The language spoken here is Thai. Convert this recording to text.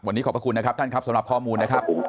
วันนี้ขอบพระคุณนะครับท่านครับสำหรับข้อมูลนะครับ